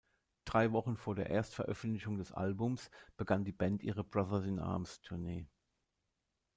Drei Wochen vor der Erstveröffentlichung des Albums begann die Band ihre "Brothers-in-Arms"-Tournee.